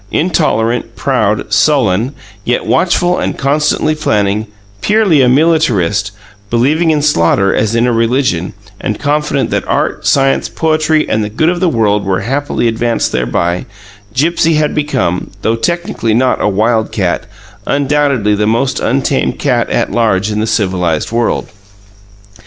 Intolerant, proud, sullen, yet watchful and constantly planning purely a militarist, believing in slaughter as in a religion, and confident that art, science, poetry and the good of the world were happily advanced thereby Gipsy had become, though technically not a wildcat, undoubtedly the most untamed cat at large in the civilized world.